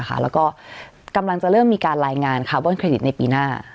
แล้วก็กำลังจะเริ่มมีการรายงานคาร์บอนเครดิตในปีหน้า